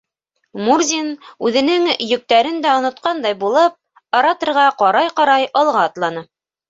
Мурзин, үҙенең йөктәрен дә онотҡандай булып, ораторға ҡарай-ҡарай, алға атланы.